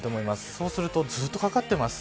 そうするとずっとかかってます。